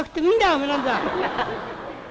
おめえなんざ。